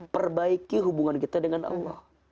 perbaiki hubungan kita dengan allah